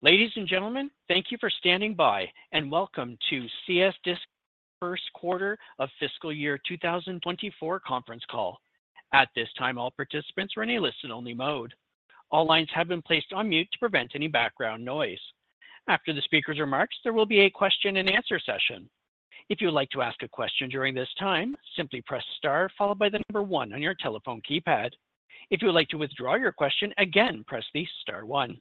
Ladies and gentlemen, thank you for standing by, and welcome to CS Disco's first quarter of fiscal year 2024 conference call. At this time, all participants are in a listen-only mode. All lines have been placed on mute to prevent any background noise. After the speaker's remarks, there will be a question and answer session. If you would like to ask a question during this time, simply press star followed by the number one on your telephone keypad. If you would like to withdraw your question, again, press the star one.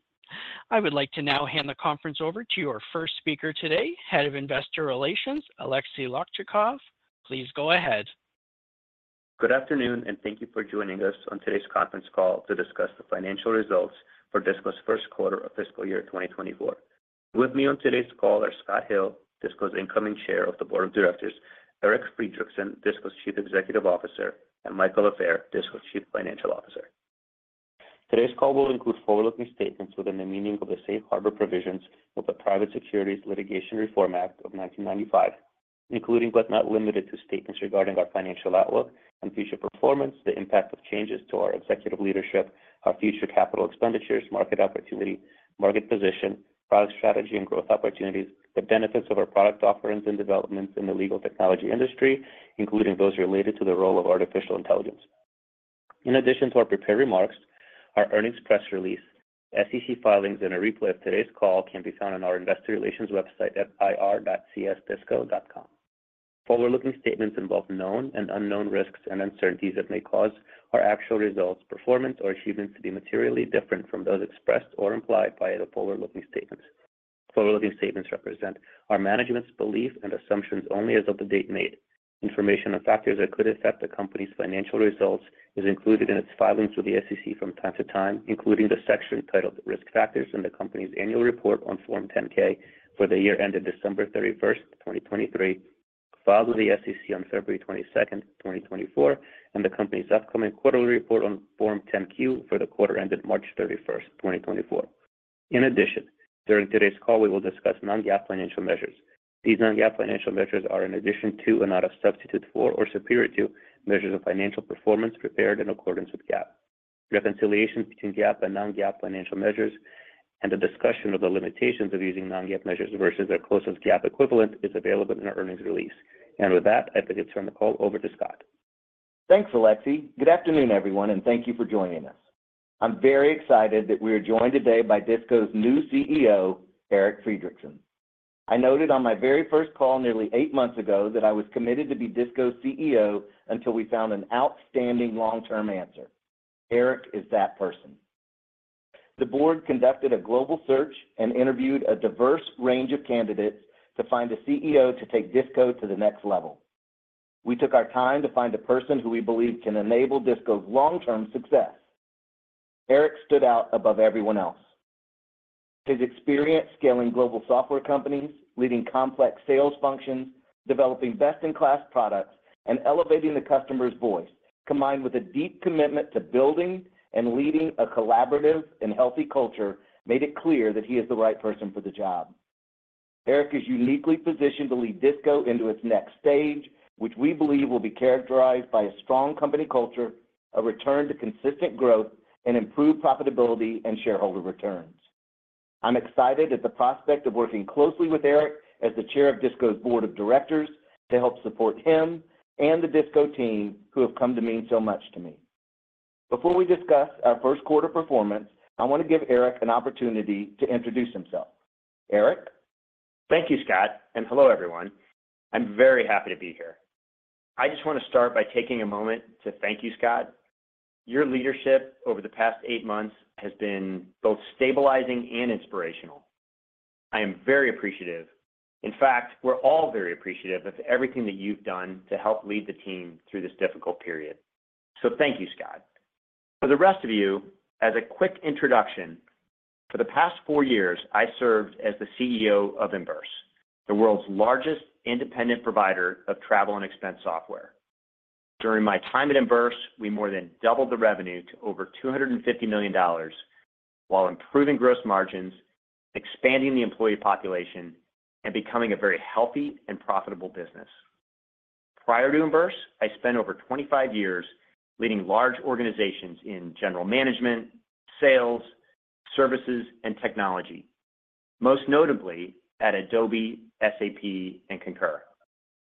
I would like to now hand the conference over to our first speaker today, Head of Investor Relations, Aleksey Lakhchakov. Please go ahead. Good afternoon, and thank you for joining us on today's conference call to discuss the financial results for DISCO's first quarter of fiscal year 2024. With me on today's call are Scott Hill, DISCO's incoming Chair of the Board of Directors, Eric Friedrichsen, DISCO's Chief Executive Officer, and Michael Lafair, DISCO's Chief Financial Officer. Today's call will include forward-looking statements within the meaning of the safe harbor provisions of the Private Securities Litigation Reform Act of 1995, including, but not limited to, statements regarding our financial outlook and future performance, the impact of changes to our executive leadership, our future capital expenditures, market opportunity, market position, product strategy, and growth opportunities, the benefits of our product offerings and developments in the legal technology industry, including those related to the role of artificial intelligence. In addition to our prepared remarks, our earnings press release, SEC filings, and a replay of today's call can be found on our investor relations website at ir.csdisco.com. Forward-looking statements involve known and unknown risks and uncertainties that may cause our actual results, performance, or achievements to be materially different from those expressed or implied by the forward-looking statements. Forward-looking statements represent our management's belief and assumptions only as of the date made. Information on factors that could affect the company's financial results is included in its filings with the SEC from time to time, including the section titled "Risk Factors" in the company's annual report on Form 10-K for the year ended December 31, 2023, filed with the SEC on February 22, 2024, and the company's upcoming quarterly report on Form 10-Q for the quarter ended March 31st, 2024. In addition, during today's call, we will discuss non-GAAP financial measures. These non-GAAP financial measures are in addition to, and not a substitute for, or superior to, measures of financial performance prepared in accordance with GAAP. Reconciliation between GAAP and non-GAAP financial measures, and a discussion of the limitations of using non-GAAP measures versus their closest GAAP equivalent, is available in our earnings release. With that, I'd like to turn the call over to Scott. Thanks, Aleksey. Good afternoon, everyone, and thank you for joining us. I'm very excited that we are joined today by DISCO's new CEO, Eric Friedrichsen. I noted on my very first call, nearly eight months ago, that I was committed to be DISCO's CEO until we found an outstanding long-term answer. Eric is that person. The board conducted a global search and interviewed a diverse range of candidates to find a CEO to take DISCO to the next level. We took our time to find a person who we believe can enable DISCO's long-term success. Eric stood out above everyone else. His experience scaling global software companies, leading complex sales functions, developing best-in-class products, and elevating the customer's voice, combined with a deep commitment to building and leading a collaborative and healthy culture, made it clear that he is the right person for the job. Eric is uniquely positioned to lead DISCO into its next stage, which we believe will be characterized by a strong company culture, a return to consistent growth, and improved profitability and shareholder returns. I'm excited at the prospect of working closely with Eric as the Chair of DISCO's Board of Directors to help support him and the DISCO team, who have come to mean so much to me. Before we discuss our first quarter performance, I want to give Eric an opportunity to introduce himself. Eric? Thank you, Scott, and hello, everyone. I'm very happy to be here. I just want to start by taking a moment to thank you, Scott. Your leadership over the past eight months has been both stabilizing and inspirational. I am very appreciative. In fact, we're all very appreciative of everything that you've done to help lead the team through this difficult period. So thank you, Scott. For the rest of you, as a quick introduction, for the past four years, I served as the CEO of Emburse, the world's largest independent provider of travel and expense software. During my time at Emburse, we more than doubled the revenue to over $250 million, while improving gross margins, expanding the employee population, and becoming a very healthy and profitable business. Prior to Emburse, I spent over 25 years leading large organizations in general management, sales, services, and technology, most notably at Adobe, SAP, and Concur.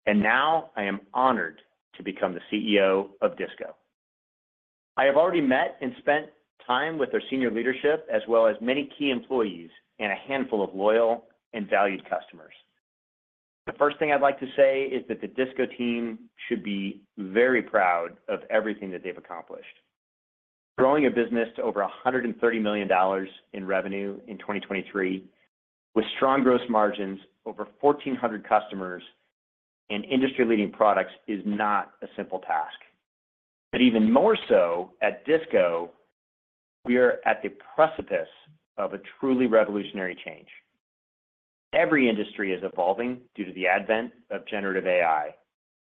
Now I am honored to become the CEO of DISCO. I have already met and spent time with their senior leadership, as well as many key employees and a handful of loyal and valued customers. The first thing I'd like to say is that the DISCO team should be very proud of everything that they've accomplished. Growing a business to over $130 million in revenue in 2023, with strong gross margins, over 1,400 customers, and industry-leading products, is not a simple task. But even more so at DISCO, we are at the precipice of a truly revolutionary change. Every industry is evolving due to the advent of generative AI.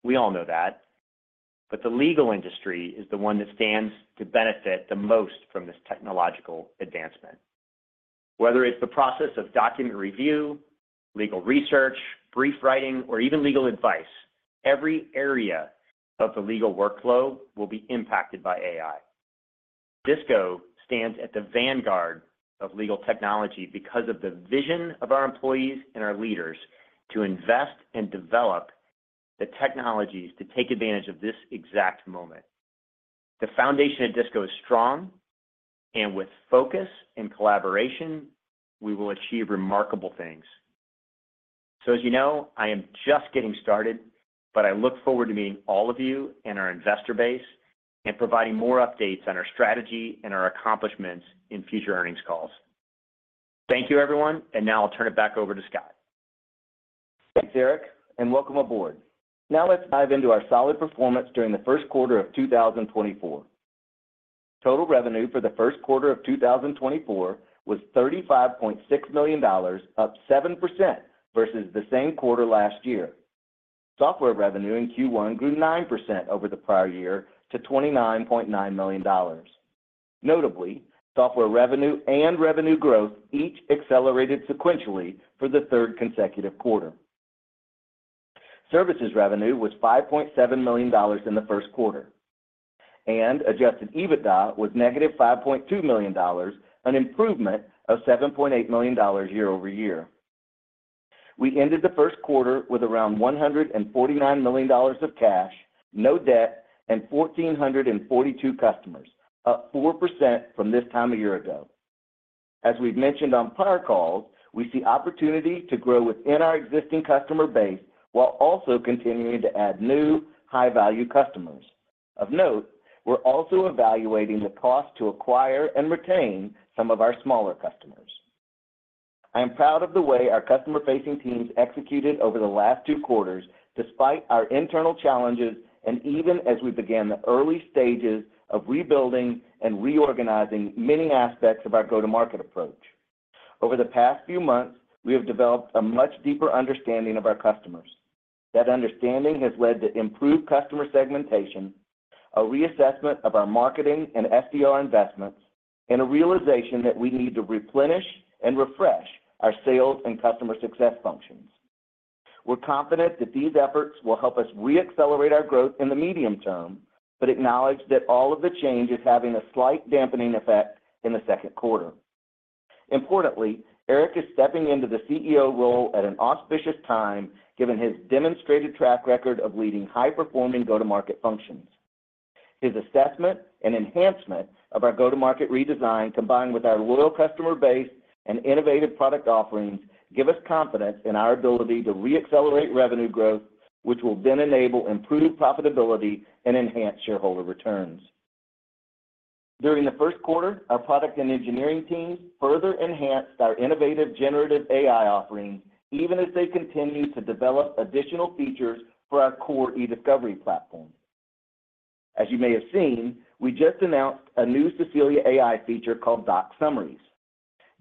We all know that, but the legal industry is the one that stands to benefit the most from this technological advancement. Whether it's the process of document review, legal research, brief writing, or even legal advice, every area of the legal workflow will be impacted by AI. DISCO stands at the vanguard of legal technology because of the vision of our employees and our leaders to invest and develop the technologies to take advantage of this exact moment. The foundation at DISCO is strong, and with focus and collaboration, we will achieve remarkable things. So as you know, I am just getting started, but I look forward to meeting all of you and our investor base and providing more updates on our strategy and our accomplishments in future earnings calls. Thank you, everyone, and now I'll turn it back over to Scott. Thanks, Eric, and welcome aboard. Now let's dive into our solid performance during the first quarter of 2024. Total revenue for the first quarter of 2024 was $35.6 million, up 7% versus the same quarter last year. Software revenue in Q1 grew 9% over the prior year to $29.9 million. Notably, software revenue and revenue growth each accelerated sequentially for the third consecutive quarter. Services revenue was $5.7 million in the first quarter, and Adjusted EBITDA was -$5.2 million, an improvement of $7.8 million year-over-year. We ended the first quarter with around $149 million of cash, no debt, and 1,442 customers, up 4% from this time a year ago. As we've mentioned on prior calls, we see opportunity to grow within our existing customer base while also continuing to add new, high-value customers. Of note, we're also evaluating the cost to acquire and retain some of our smaller customers. I am proud of the way our customer-facing teams executed over the last two quarters, despite our internal challenges and even as we began the early stages of rebuilding and reorganizing many aspects of our go-to-market approach. Over the past few months, we have developed a much deeper understanding of our customers. That understanding has led to improved customer segmentation, a reassessment of our marketing and SDR investments, and a realization that we need to replenish and refresh our sales and customer success functions. We're confident that these efforts will help us reaccelerate our growth in the medium term, but acknowledge that all of the change is having a slight dampening effect in the second quarter. Importantly, Eric is stepping into the CEO role at an auspicious time, given his demonstrated track record of leading high-performing go-to-market functions. His assessment and enhancement of our go-to-market redesign, combined with our loyal customer base and innovative product offerings, give us confidence in our ability to reaccelerate revenue growth, which will then enable improved profitability and enhanced shareholder returns. During the first quarter, our product and engineering teams further enhanced our innovative generative AI offerings, even as they continued to develop additional features for our core eDiscovery platform. As you may have seen, we just announced a new Cecilia AI feature called Doc Summaries.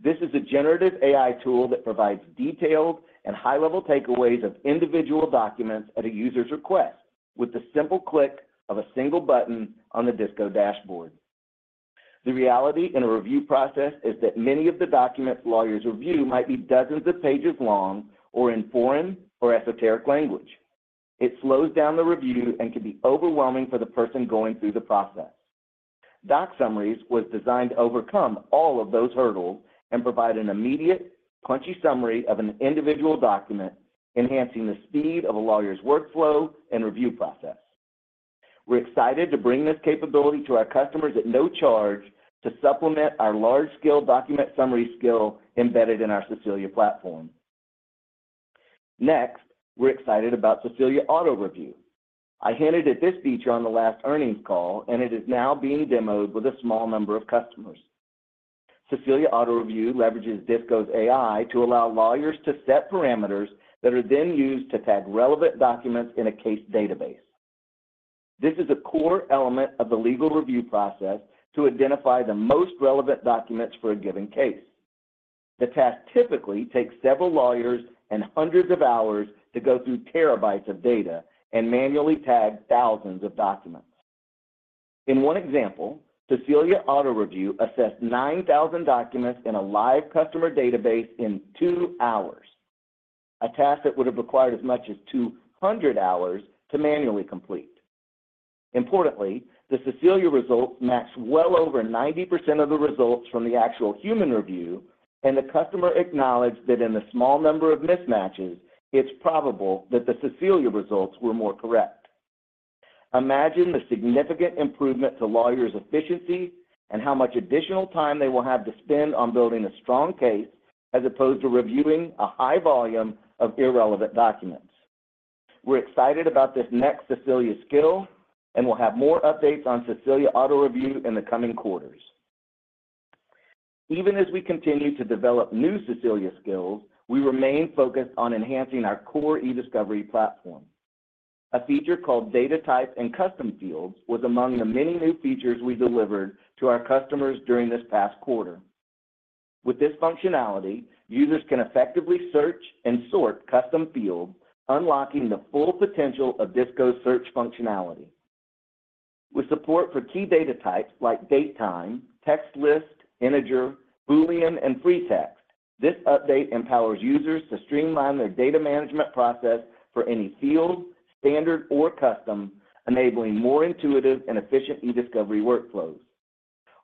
This is a generative AI tool that provides detailed and high-level takeaways of individual documents at a user's request with the simple click of a single button on the DISCO dashboard. The reality in a review process is that many of the documents lawyers review might be dozens of pages long or in foreign or esoteric language. It slows down the review and can be overwhelming for the person going through the process. Doc Summaries was designed to overcome all of those hurdles and provide an immediate, crunchy summary of an individual document, enhancing the speed of a lawyer's workflow and review process. We're excited to bring this capability to our customers at no charge to supplement our large-scale document summary skill embedded in our Cecilia platform. Next, we're excited about Cecilia Auto Review. I hinted at this feature on the last earnings call, and it is now being demoed with a small number of customers. Cecilia Auto Review leverages DISCO's AI to allow lawyers to set parameters that are then used to tag relevant documents in a case database. This is a core element of the legal review process to identify the most relevant documents for a given case. The task typically takes several lawyers and hundreds of hours to go through terabytes of data and manually tag thousands of documents. In one example, Cecilia Auto Review assessed 9,000 documents in a live customer database in two hours, a task that would have required as much as 200 hours to manually complete. Importantly, the Cecilia results matched well over 90% of the results from the actual human review, and the customer acknowledged that in the small number of mismatches, it's probable that the Cecilia results were more correct. Imagine the significant improvement to lawyers' efficiency and how much additional time they will have to spend on building a strong case, as opposed to reviewing a high volume of irrelevant documents. We're excited about this next Cecilia skill, and we'll have more updates on Cecilia Auto Review in the coming quarters. Even as we continue to develop new Cecilia skills, we remain focused on enhancing our core eDiscovery platform. A feature called Data Type and Custom Fields was among the many new features we delivered to our customers during this past quarter. With this functionality, users can effectively search and sort custom fields, unlocking the full potential of DISCO's search functionality. With support for key data types like date, time, text, list, integer, Boolean, and free text. This update empowers users to streamline their data management process for any field, standard or custom, enabling more intuitive and efficient eDiscovery workflows.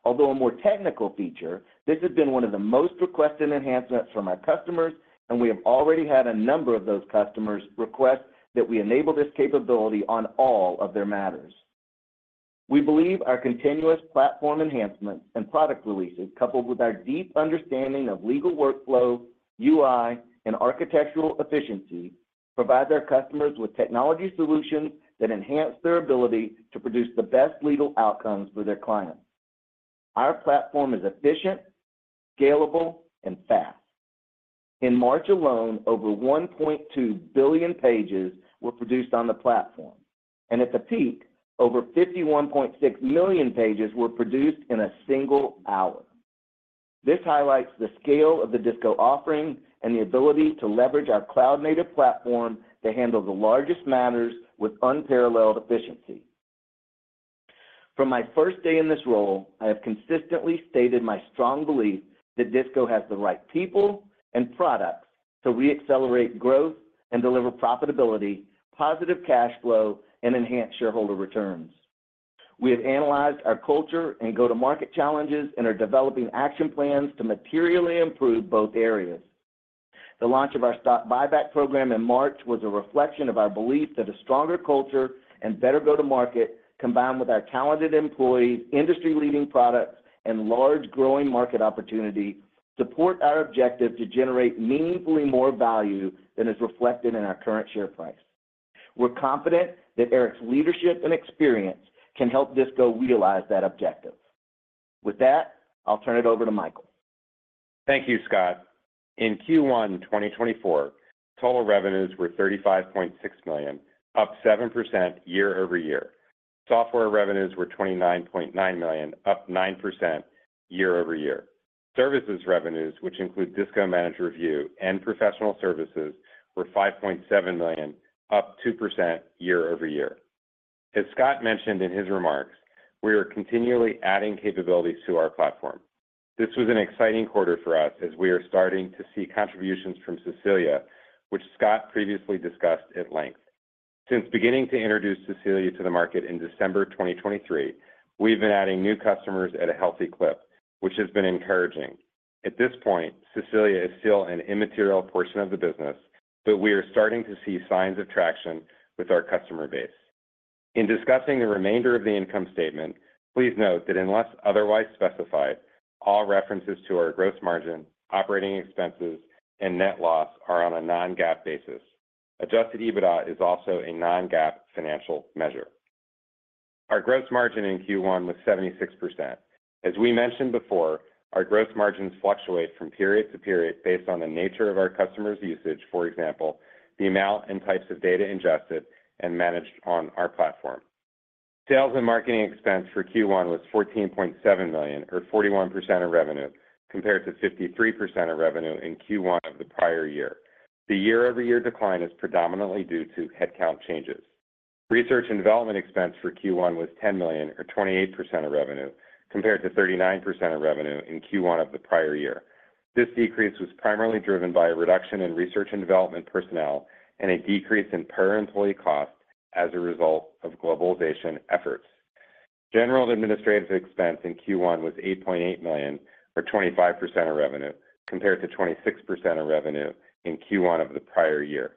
Although a more technical feature, this has been one of the most requested enhancements from our customers, and we have already had a number of those customers request that we enable this capability on all of their matters. We believe our continuous platform enhancements and product releases, coupled with our deep understanding of legal workflow, UI, and architectural efficiency, provide our customers with technology solutions that enhance their ability to produce the best legal outcomes for their clients. Our platform is efficient, scalable, and fast. In March alone, over 1.2 billion pages were produced on the platform, and at the peak, over 51.6 million pages were produced in a single hour. This highlights the scale of the DISCO offering and the ability to leverage our cloud-native platform to handle the largest matters with unparalleled efficiency. From my first day in this role, I have consistently stated my strong belief that DISCO has the right people and products to reaccelerate growth and deliver profitability, positive cash flow, and enhance shareholder returns. We have analyzed our culture and go-to-market challenges and are developing action plans to materially improve both areas. The launch of our stock buyback program in March was a reflection of our belief that a stronger culture and better go-to-market, combined with our talented employees, industry-leading products, and large growing market opportunity, support our objective to generate meaningfully more value than is reflected in our current share price. We're confident that Eric's leadership and experience can help DISCO realize that objective. With that, I'll turn it over to Michael. Thank you, Scott. In Q1 2024, total revenues were $35.6 million, up 7% year-over-year. Software revenues were $29.9 million, up 9% year-over-year. Services revenues, which include DISCO Managed Review and professional services, were $5.7 million, up 2% year-over-year. As Scott mentioned in his remarks, we are continually adding capabilities to our platform. This was an exciting quarter for us as we are starting to see contributions from Cecilia, which Scott previously discussed at length. Since beginning to introduce Cecilia to the market in December 2023, we've been adding new customers at a healthy clip, which has been encouraging. At this point, Cecilia is still an immaterial portion of the business, but we are starting to see signs of traction with our customer base. In discussing the remainder of the income statement, please note that unless otherwise specified, all references to our gross margin, operating expenses, and net loss are on a non-GAAP basis. Adjusted EBITDA is also a non-GAAP financial measure. Our gross margin in Q1 was 76%. As we mentioned before, our gross margins fluctuate from period to period based on the nature of our customers' usage, for example, the amount and types of data ingested and managed on our platform. Sales and marketing expense for Q1 was $14.7 million, or 41% of revenue, compared to 53% of revenue in Q1 of the prior year. The year-over-year decline is predominantly due to headcount changes. Research and development expense for Q1 was $10 million, or 28% of revenue, compared to 39% of revenue in Q1 of the prior year. This decrease was primarily driven by a reduction in research and development personnel and a decrease in per employee cost as a result of globalization efforts. General and administrative expense in Q1 was $8.8 million, or 25% of revenue, compared to 26% of revenue in Q1 of the prior year.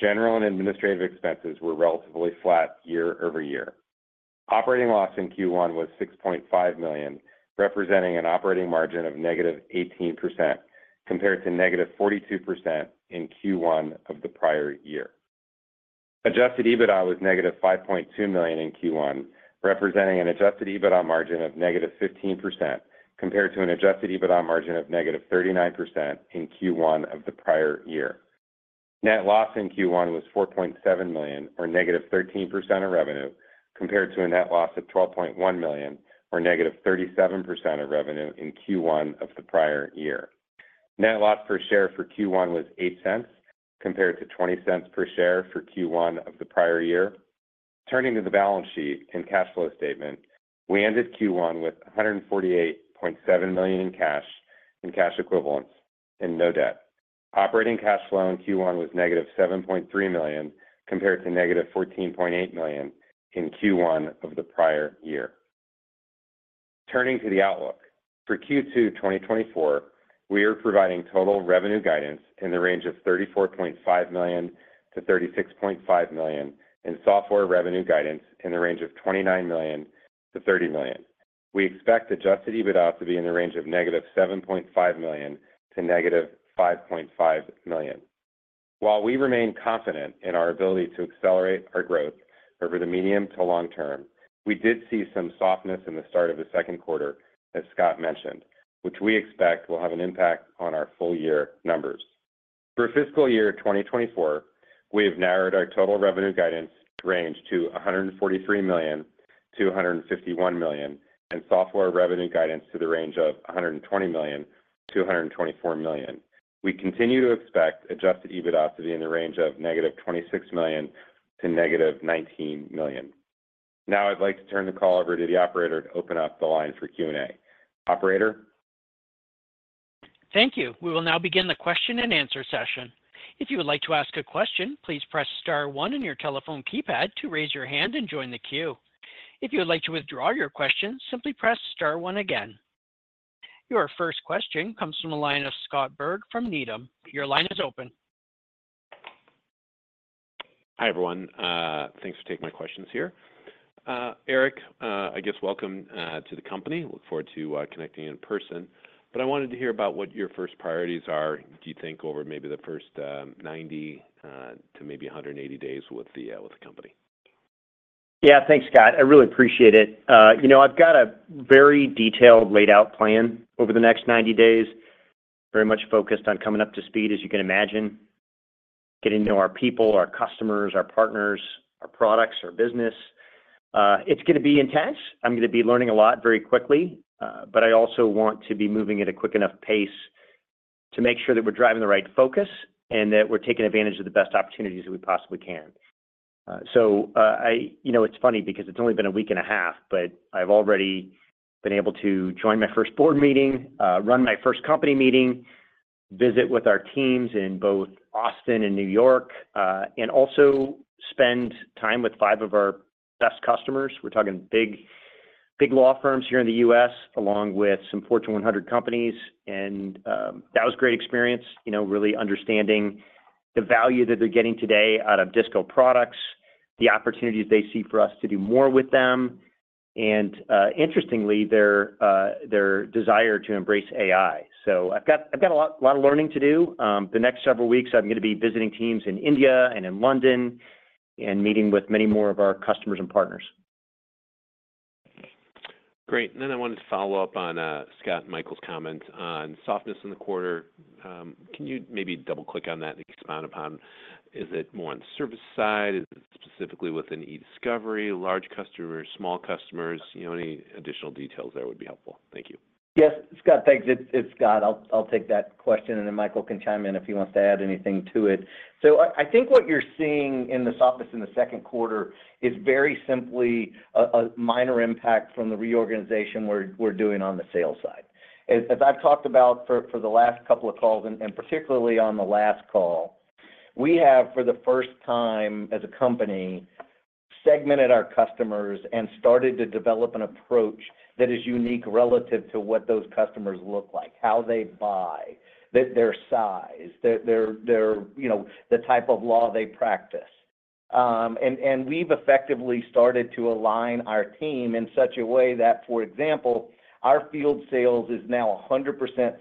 General and administrative expenses were relatively flat year-over-year. Operating loss in Q1 was $6.5 million, representing an operating margin of -18%, compared to -42% in Q1 of the prior year. Adjusted EBITDA was -$5.2 million in Q1, representing an Adjusted EBITDA margin of -15%, compared to an Adjusted EBITDA margin of -39% in Q1 of the prior year. Net loss in Q1 was $4.7 million, or -13% of revenue, compared to a net loss of $12.1 million, or -37% of revenue in Q1 of the prior year. Net loss per share for Q1 was $0.08, compared to $0.20 per share for Q1 of the prior year. Turning to the balance sheet and cash flow statement, we ended Q1 with $148.7 million in cash and cash equivalents and no debt. Operating cash flow in Q1 was -$7.3 million, compared to -$14.8 million in Q1 of the prior year. Turning to the outlook. For Q2 2024, we are providing total revenue guidance in the range of $34.5 million-$36.5 million, and software revenue guidance in the range of $29 million-$30 million. We expect Adjusted EBITDA to be in the range of -$7.5 million-$5.5 million. While we remain confident in our ability to accelerate our growth over the medium to long term, we did see some softness in the start of the second quarter, as Scott mentioned, which we expect will have an impact on our full year numbers. For fiscal year 2024, we have narrowed our total revenue guidance range to $143 million-$151 million, and software revenue guidance to the range of $120 million-$124 million. We continue to expect Adjusted EBITDA to be in the range of -$26 million-$19 million. Now I'd like to turn the call over to the operator to open up the line for Q&A. Operator? Thank you. We will now begin the question and answer session. If you would like to ask a question, please press star one on your telephone keypad to raise your hand and join the queue. If you would like to withdraw your question, simply press star one again. Your first question comes from the line of Scott Berg from Needham. Your line is open. Hi, everyone. Thanks for taking my questions here. Eric, I guess welcome to the company. Look forward to connecting in person. But I wanted to hear about what your first priorities are, do you think, over maybe the first 90 to maybe 180 days with the company? Yeah, thanks, Scott. I really appreciate it. You know, I've got a very detailed, laid-out plan over the next 90 days, very much focused on coming up to speed, as you can imagine, getting to know our people, our customers, our partners, our products, our business. It's gonna be intense. I'm gonna be learning a lot very quickly, but I also want to be moving at a quick enough pace to make sure that we're driving the right focus and that we're taking advantage of the best opportunities that we possibly can. You know, it's funny because it's only been a week and a half, but I've already been able to join my first board meeting, run my first company meeting, visit with our teams in both Austin and New York, and also spend time with five of our best customers. We're talking big, big law firms here in the U.S., along with some Fortune 100 companies, and that was a great experience, you know, really understanding the value that they're getting today out of DISCO products, the opportunities they see for us to do more with them, and, interestingly, their desire to embrace AI. So I've got a lot, a lot of learning to do. The next several weeks, I'm gonna be visiting teams in India and in London, and meeting with many more of our customers and partners. Great. Then I wanted to follow up on Scott Michael's comment on softness in the quarter. Can you maybe double-click on that and expand upon, is it more on the service side? Is it specifically within eDiscovery, large customers, small customers? You know, any additional details there would be helpful. Thank you. Yes, Scott, thanks. It's Scott. I'll take that question, and then Michael can chime in if he wants to add anything to it. So I think what you're seeing in the softness in the second quarter is very simply a minor impact from the reorganization we're doing on the sales side. As I've talked about for the last couple of calls, and particularly on the last call, we have, for the first time as a company, segmented our customers and started to develop an approach that is unique relative to what those customers look like, how they buy, their size, you know, the type of law they practice. And we've effectively started to align our team in such a way that, for example, our field sales is now 100%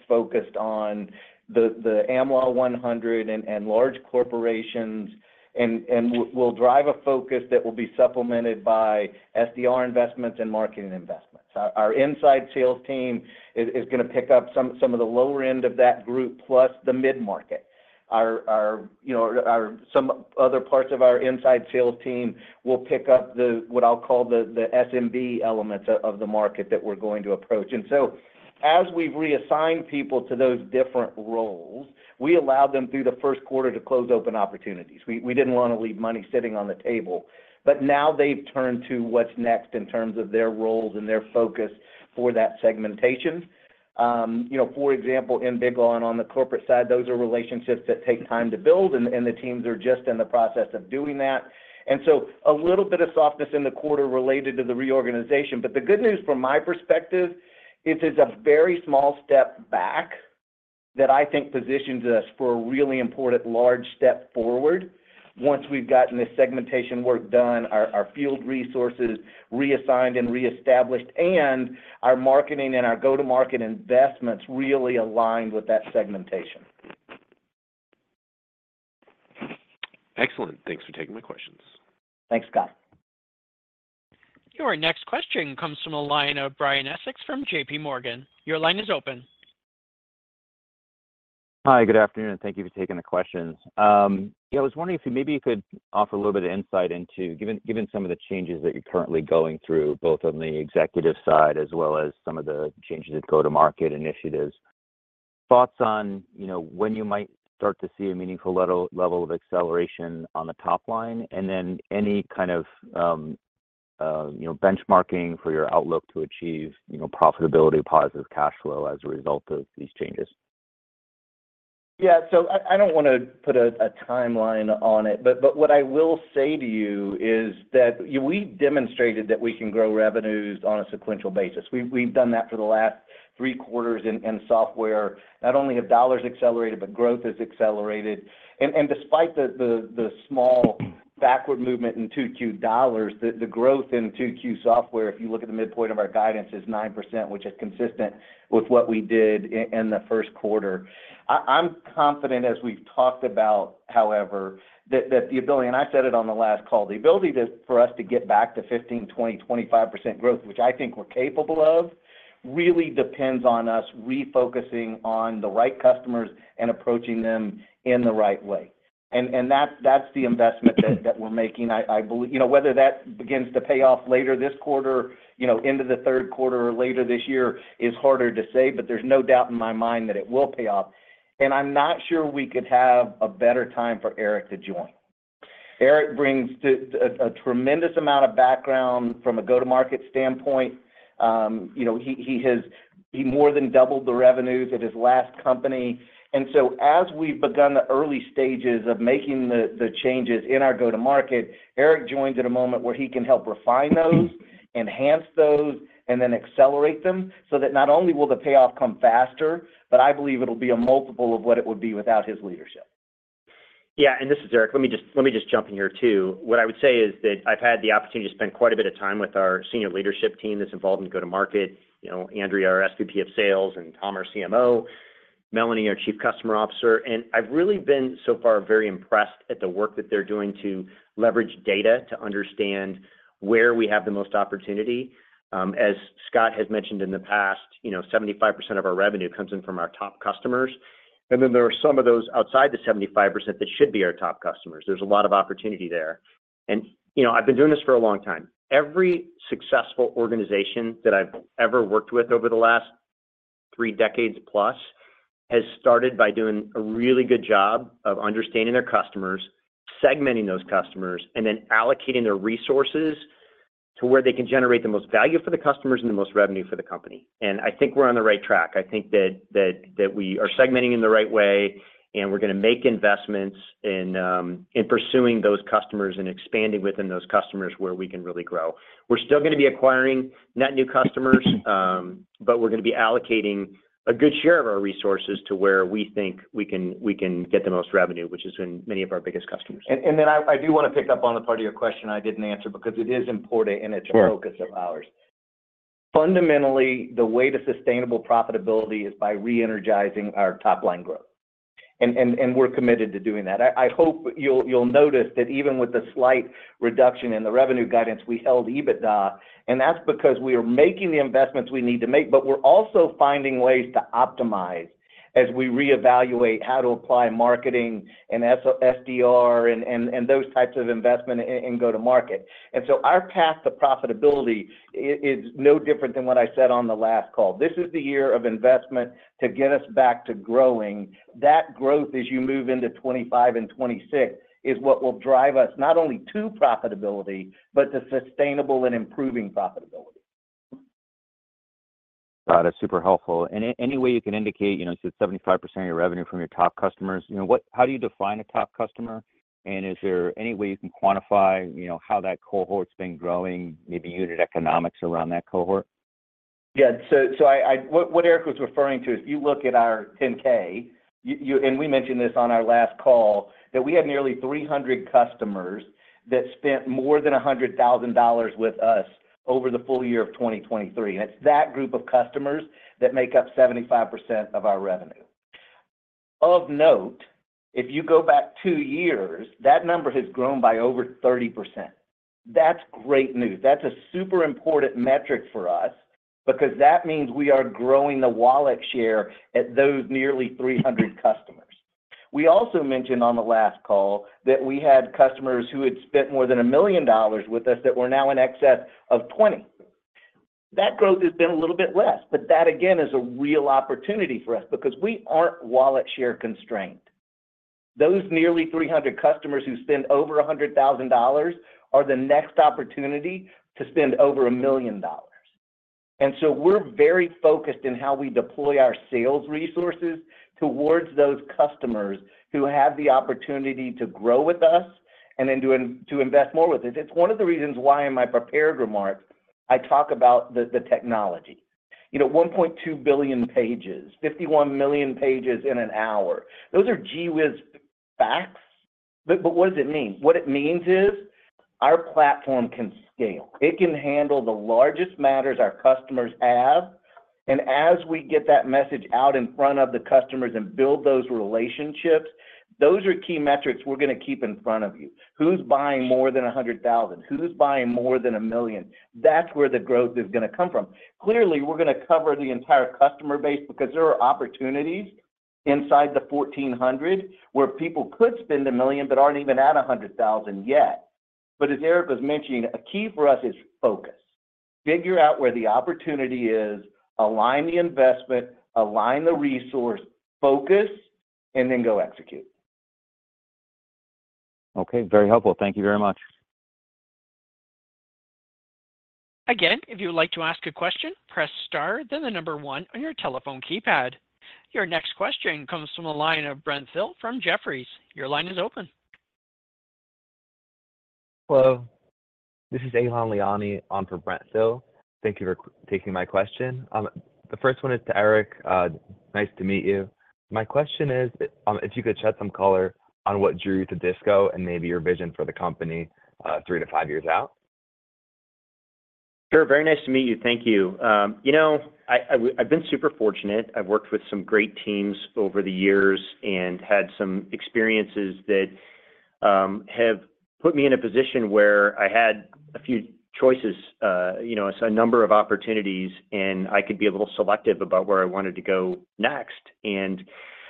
focused on the Am Law 100 and large corporations, and we'll drive a focus that will be supplemented by SDR investments and marketing investments. Our inside sales team is gonna pick up some of the lower end of that group plus the mid-market. You know, some other parts of our inside sales team will pick up the, what I'll call the SMB elements of the market that we're going to approach. And so as we've reassigned people to those different roles, we allowed them through the first quarter to close open opportunities. We didn't want to leave money sitting on the table, but now they've turned to what's next in terms of their roles and their focus for that segmentation. You know, for example, in Big Law and on the corporate side, those are relationships that take time to build, and the teams are just in the process of doing that. And so a little bit of softness in the quarter related to the reorganization. But the good news from my perspective, it is a very small step back that I think positions us for a really important large step forward once we've gotten this segmentation work done, our field resources reassigned and reestablished, and our marketing and our go-to-market investments really aligned with that segmentation. Excellent. Thanks for taking my questions. Thanks, Scott. Your next question comes from the line of Brian Essex from J.P. Morgan. Your line is open. Hi, good afternoon, and thank you for taking the questions. Yeah, I was wondering if you maybe could offer a little bit of insight into, given some of the changes that you're currently going through, both on the executive side as well as some of the changes in go-to-market initiatives, thoughts on, you know, when you might start to see a meaningful level of acceleration on the top line, and then any kind of, you know, benchmarking for your outlook to achieve, you know, profitability, positive cash flow as a result of these changes? Yeah. So I don't want to put a timeline on it, but what I will say to you is that we've demonstrated that we can grow revenues on a sequential basis. We've done that for the last three quarters in software. Not only have dollars accelerated, but growth has accelerated. And despite the small backward movement in 2Q dollars, the growth in 2Q software, if you look at the midpoint of our guidance, is 9%, which is consistent with what we did in the first quarter. I'm confident, as we've talked about, however, that the ability, and I said it on the last call, the ability for us to get back to 155, 20%, 25% growth, which I think we're capable of, really depends on us refocusing on the right customers and approaching them in the right way. And that's the investment that we're making. I believe... You know, whether that begins to pay off later this quarter, you know, into the third quarter or later this year is harder to say, but there's no doubt in my mind that it will pay off, and I'm not sure we could have a better time for Eric to join. Eric brings a tremendous amount of background from a go-to-market standpoint. You know, he has more than doubled the revenues at his last company. And so as we've begun the early stages of making the changes in our go-to-market, Eric joins at a moment where he can help refine those, enhance those, and then accelerate them, so that not only will the payoff come faster, but I believe it'll be a multiple of what it would be without his leadership. Yeah, and this is Eric. Let me just, let me just jump in here, too. What I would say is that I've had the opportunity to spend quite a bit of time with our senior leadership team that's involved in go-to-market. You know, Andrea, our SVP of Sales, and Tom, our CMO, Melanie, our Chief Customer Officer, and I've really been, so far, very impressed at the work that they're doing to leverage data to understand where we have the most opportunity. As Scott has mentioned in the past, you know, 75% of our revenue comes in from our top customers, and then there are some of those outside the 75% that should be our top customers. There's a lot of opportunity there. And, you know, I've been doing this for a long time. Every successful organization that I've ever worked with over the last three decades plus has started by doing a really good job of understanding their customers, segmenting those customers, and then allocating their resources to where they can generate the most value for the customers and the most revenue for the company, and I think we're on the right track. I think that we are segmenting in the right way, and we're gonna make investments in pursuing those customers and expanding within those customers where we can really grow. We're still gonna be acquiring net new customers, but we're gonna be allocating a good share of our resources to where we think we can get the most revenue, which is in many of our biggest customers. And then I do wanna pick up on the part of your question I didn't answer because it is important, and it's- Sure... a focus of ours. Fundamentally, the way to sustainable profitability is by reenergizing our top-line growth, and we're committed to doing that. I hope you'll notice that even with the slight reduction in the revenue guidance, we held EBITDA, and that's because we are making the investments we need to make, but we're also finding ways to optimize as we reevaluate how to apply marketing and SDR and those types of investment in go-to-market. And so our path to profitability is no different than what I said on the last call. This is the year of investment to get us back to growing. That growth, as you move into 2025 and 2026, is what will drive us not only to profitability, but to sustainable and improving profitability. Got it. Super helpful. And any way you can indicate, you know, since 75% of your revenue from your top customers, you know, how do you define a top customer? And is there any way you can quantify, you know, how that cohort's been growing, maybe unit economics around that cohort? Yeah. So, what Eric was referring to is, if you look at our 10-K, you, and we mentioned this on our last call, that we have nearly 300 customers that spent more than $100,000 with us over the full year of 2023, and it's that group of customers that make up 75% of our revenue. Of note, if you go back two years, that number has grown by over 30%. That's great news. That's a super important metric for us because that means we are growing the wallet share at those nearly 300 customers. We also mentioned on the last call that we had customers who had spent more than $1 million with us that were now in excess of 20. That growth has been a little bit less, but that, again, is a real opportunity for us because we aren't wallet share constrained. Those nearly 300 customers who spend over $100,000 are the next opportunity to spend over $1 million. And so we're very focused in how we deploy our sales resources towards those customers who have the opportunity to grow with us and then to invest more with us. It's one of the reasons why in my prepared remarks, I talk about the technology. You know, 1.2 billion pages, 51 million pages in an hour, those are gee whiz facts, but what does it mean? What it means is our platform can scale. It can handle the largest matters our customers have, and as we get that message out in front of the customers and build those relationships, those are key metrics we're gonna keep in front of you. Who's buying more than $100,000? Who's buying more than $1 million? That's where the growth is gonna come from. Clearly, we're gonna cover the entire customer base because there are opportunities inside the 1,400 where people could spend $1 million, but aren't even at $100,000 yet. But as Eric was mentioning, a key for us is focus. Figure out where the opportunity is, align the investment, align the resource, focus, and then go execute. Okay, very helpful. Thank you very much. Again, if you would like to ask a question, press star, then the number one on your telephone keypad. Your next question comes from the line of Brent Thill from Jefferies. Your line is open. Hello, this is Eylon Liani on for Brent Thill. Thank you for taking my question. The first one is to Eric, nice to meet you. My question is, if you could shed some color on what drew you to DISCO and maybe your vision for the company, three to five years out? Sure. Very nice to meet you. Thank you. You know, I've been super fortunate. I've worked with some great teams over the years and had some experiences that have put me in a position where I had a few choices, you know, a number of opportunities, and I could be a little selective about where I wanted to go next. And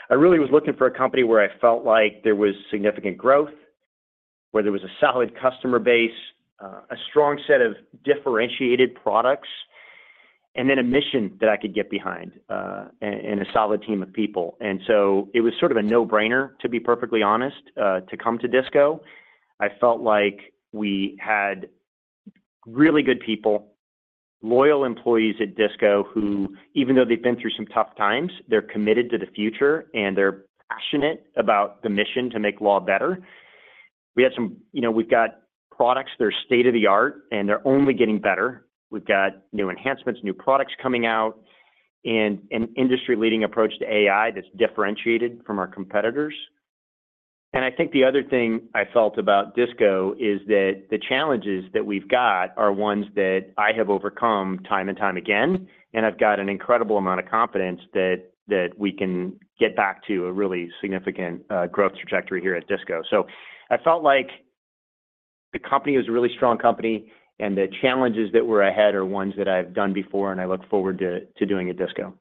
I really was looking for a company where I felt like there was significant growth, where there was a solid customer base, a strong set of differentiated products and then a mission that I could get behind, and a solid team of people. And so it was sort of a no-brainer, to be perfectly honest, to come to DISCO. I felt like we had really good people, loyal employees at DISCO, who even though they've been through some tough times, they're committed to the future, and they're passionate about the mission to make law better. We had some. You know, we've got products that are state-of-the-art, and they're only getting better. We've got new enhancements, new products coming out, and an industry-leading approach to AI that's differentiated from our competitors. And I think the other thing I felt about DISCO is that the challenges that we've got are ones that I have overcome time and time again, and I've got an incredible amount of confidence that, that we can get back to a really significant growth trajectory here at DISCO. So I felt like the company is a really strong company, and the challenges that were ahead are ones that I've done before, and I look forward to doing at DISCO.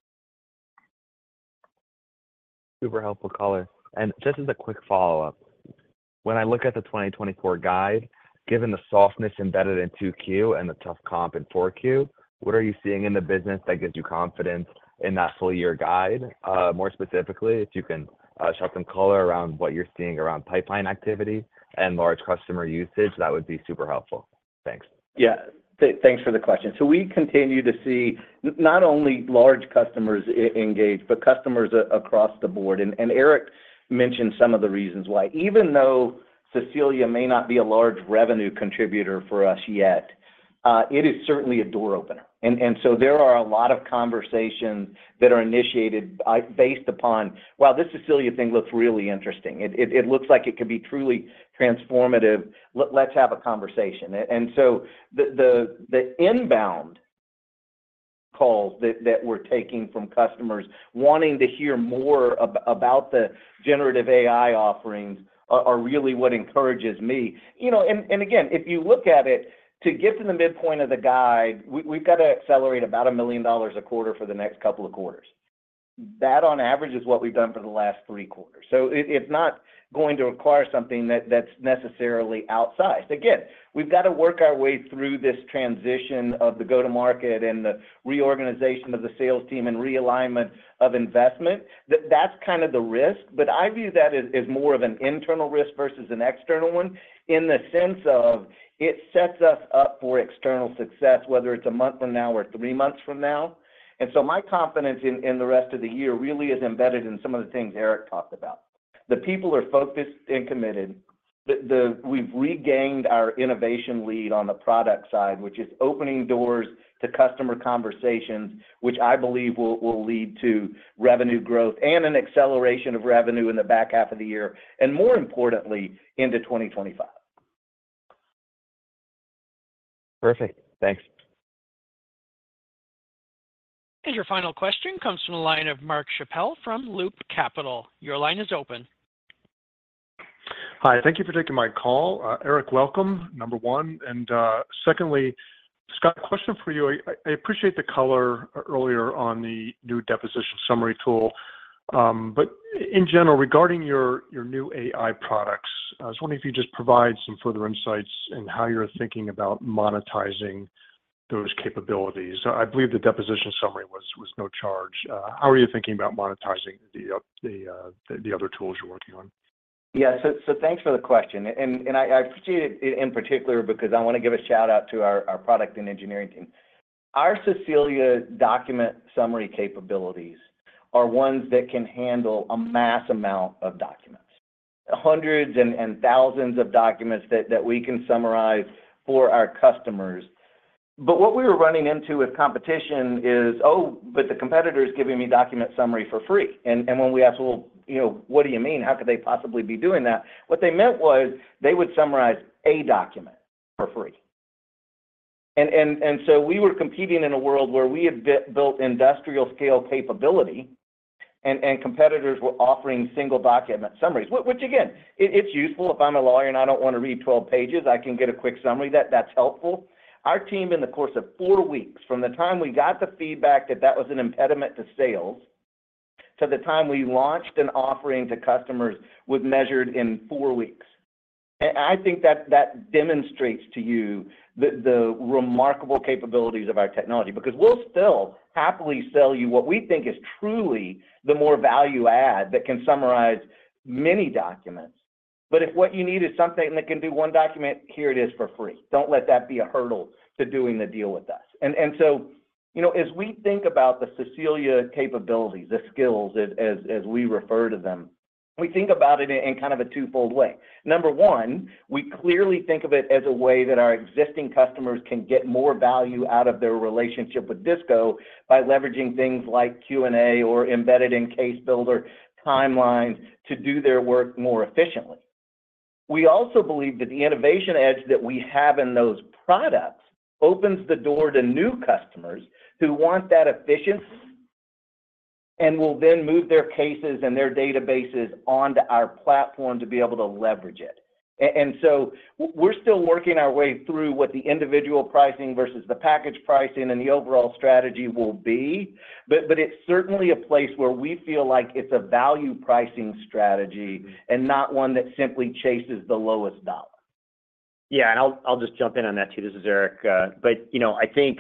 Super helpful color. And just as a quick follow-up, when I look at the 2024 guide, given the softness embedded in 2Q and the tough comp in 4Q, what are you seeing in the business that gives you confidence in that full year guide? More specifically, if you can shed some color around what you're seeing around pipeline activity and large customer usage, that would be super helpful. Thanks. Yeah, thanks for the question. So we continue to see not only large customers engaged, but customers across the board, and Eric mentioned some of the reasons why. Even though Cecilia may not be a large revenue contributor for us yet, it is certainly a door opener, and so there are a lot of conversations that are initiated based upon, "Wow, this Cecilia thing looks really interesting. It looks like it could be truly transformative. Let's have a conversation." And so the inbound calls that we're taking from customers wanting to hear more about the generative AI offerings are really what encourages me. You know, and again, if you look at it, to get to the midpoint of the guide, we've got to accelerate about $1 million a quarter for the next couple of quarters. That, on average, is what we've done for the last three quarters. So it's not going to require something that's necessarily outsized. Again, we've got to work our way through this transition of the go-to-market and the reorganization of the sales team and realignment of investment. That's kind of the risk, but I view that as, as more of an internal risk versus an external one, in the sense of it sets us up for external success, whether it's a month from now or three months from now. And so my confidence in, in the rest of the year really is embedded in some of the things Eric talked about. The people are focused and committed. We've regained our innovation lead on the product side, which is opening doors to customer conversations, which I believe will lead to revenue growth and an acceleration of revenue in the back half of the year, and more importantly, into 2025. Perfect. Thanks. Your final question comes from the line of Mark Schappel from Loop Capital. Your line is open. Hi, thank you for taking my call. Eric, welcome, number one. Secondly, Scott, question for you. I appreciate the color earlier on the new deposition summary tool, but in general, regarding your new AI products, I was wondering if you could just provide some further insights in how you're thinking about monetizing those capabilities. I believe the deposition summary was no charge. How are you thinking about monetizing the other tools you're working on? Yeah. So thanks for the question, and I appreciate it in particular because I wanna give a shout-out to our product and engineering team. Our Cecilia document summary capabilities are ones that can handle a mass amount of documents, hundreds and thousands of documents that we can summarize for our customers. But what we were running into with competition is, "Oh, but the competitor is giving me document summary for free." And when we ask, "Well, you know, what do you mean? How could they possibly be doing that?" What they meant was they would summarize a document for free. And so we were competing in a world where we had built industrial scale capability, and competitors were offering single document summaries, which again, it's useful. If I'm a lawyer and I don't want to read 12 pages, I can get a quick summary. That's helpful. Our team, in the course of four weeks, from the time we got the feedback that that was an impediment to sales, to the time we launched an offering to customers, was measured in four weeks. And I think that demonstrates to you the remarkable capabilities of our technology, because we'll still happily sell you what we think is truly the more value add that can summarize many documents. But if what you need is something that can do one document, here it is for free. Don't let that be a hurdle to doing the deal with us. And so, you know, as we think about the Cecilia capabilities, the skills as we refer to them, we think about it in kind of a twofold way. Number one, we clearly think of it as a way that our existing customers can get more value out of their relationship with DISCO by leveraging things like Q&A or embedded in Case Builder timelines to do their work more efficiently. We also believe that the innovation edge that we have in those products opens the door to new customers who want that efficiency, and will then move their cases and their databases onto our platform to be able to leverage it. And so we're still working our way through what the individual pricing versus the package pricing and the overall strategy will be, but it's certainly a place where we feel like it's a value pricing strategy and not one that simply chases the lowest dollar. Yeah, and I'll just jump in on that, too. This is Eric. But you know, I think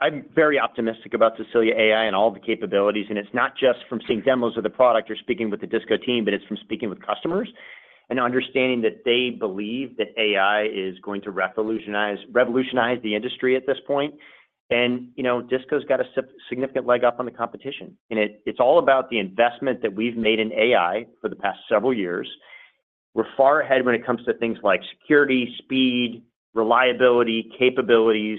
I'm very optimistic about Cecilia AI and all of the capabilities, and it's not just from seeing demos of the product or speaking with the Disco team, but it's from speaking with customers and understanding that they believe that AI is going to revolutionize, revolutionize the industry at this point. You know, Disco's got a significant leg up on the competition, and it's all about the investment that we've made in AI for the past several years. We're far ahead when it comes to things like security, speed, reliability, capabilities.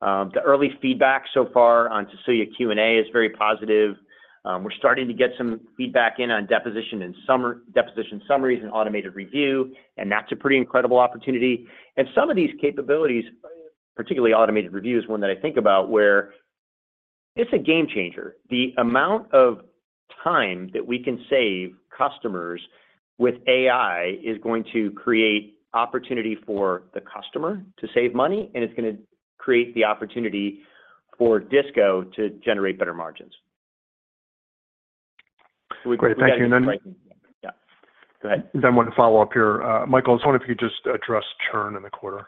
The early feedback so far on Cecilia Q&A is very positive. We're starting to get some feedback in on deposition summaries and automated review, and that's a pretty incredible opportunity. Some of these capabilities, particularly automated review, is one that I think about where it's a game changer. The amount of time that we can save customers with AI is going to create opportunity for the customer to save money, and it's gonna create the opportunity for DISCO to generate better margins. Great. Thank you. Yeah, go ahead. Then one follow-up here. Michael, I was wondering if you could just address churn in the quarter.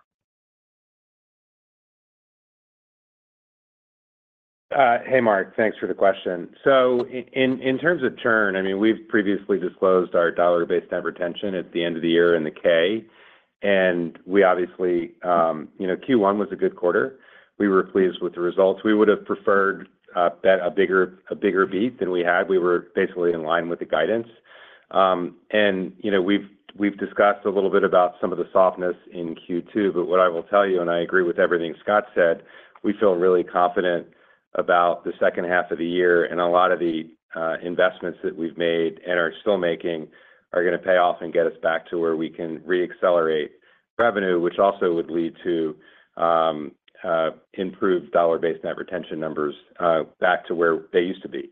Hey, Mark. Thanks for the question. So, in terms of churn, I mean, we've previously disclosed our dollar-based net retention at the end of the year in the K, and we obviously, you know, Q1 was a good quarter. We were pleased with the results. We would have preferred a bigger beat than we had. We were basically in line with the guidance. And, you know, we've discussed a little bit about some of the softness in Q2, but what I will tell you, and I agree with everything Scott said, we feel really confident about the second half of the year, and a lot of the investments that we've made and are still making are gonna pay off and get us back to where we can re-accelerate revenue, which also would lead to improved dollar-based net retention numbers back to where they used to be.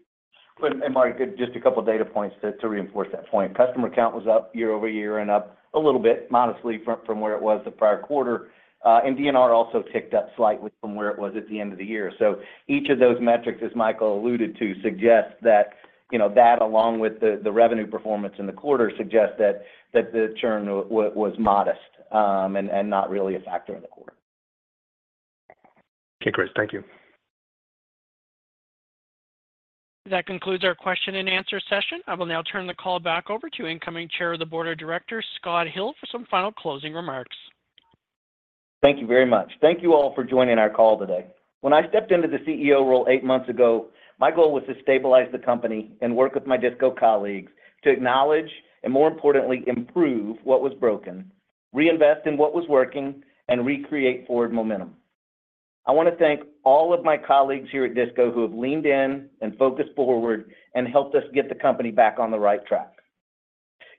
But, and Mark, just a couple of data points to reinforce that point. Customer count was up year-over-year and up a little bit, modestly from where it was the prior quarter. And DNR also ticked up slightly from where it was at the end of the year. So each of those metrics, as Michael alluded to, suggest that, you know, that along with the revenue performance in the quarter, suggest that the churn was modest, and not really a factor in the quarter. Okay, Chris, thank you. That concludes our question and answer session. I will now turn the call back over to incoming Chair of the Board of Directors, Scott Hill, for some final closing remarks. Thank you very much. Thank you all for joining our call today. When I stepped into the CEO role eight months ago, my goal was to stabilize the company and work with my DISCO colleagues to acknowledge, and more importantly, improve what was broken, reinvest in what was working, and recreate forward momentum. I wanna thank all of my colleagues here at DISCO who have leaned in and focused forward and helped us get the company back on the right track.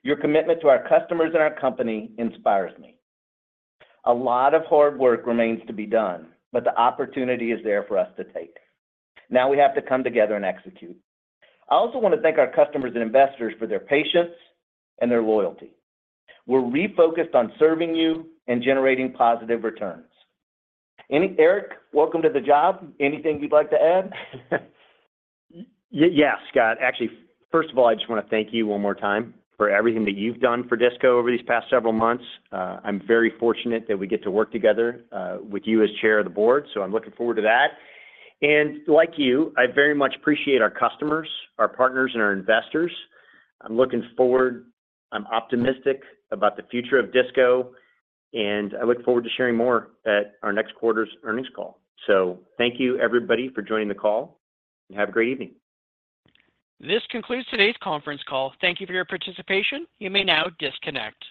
Your commitment to our customers and our company inspires me. A lot of hard work remains to be done, but the opportunity is there for us to take. Now, we have to come together and execute. I also wanna thank our customers and investors for their patience and their loyalty. We're refocused on serving you and generating positive returns. Eric, welcome to the job. Anything you'd like to add? Yeah, Scott. Actually, first of all, I just wanna thank you one more time for everything that you've done for DISCO over these past several months. I'm very fortunate that we get to work together with you as chair of the board, so I'm looking forward to that. And like you, I very much appreciate our customers, our partners, and our investors. I'm looking forward... I'm optimistic about the future of DISCO, and I look forward to sharing more at our next quarter's earnings call. So thank you, everybody, for joining the call, and have a great evening. This concludes today's conference call. Thank you for your participation. You may now disconnect.